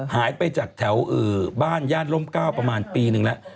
หายไปจากแถวบ้านญาติร่มก้าวประมาณปีนึงแล้ว